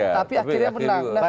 tapi akhirnya menang